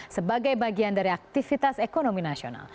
sebagai bagian dari aktivitas ekonomi nasional